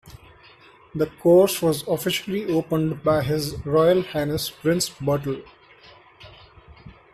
The course was officially opened by His Royal Highness Prince Bertil.